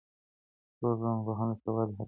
ټولنپوهنه د ښه والي هڅه کوي.